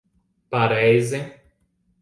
Pareizi.